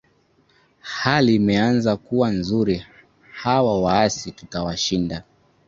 hali imeanza kuwa nzuri hawa waasi tutawashinda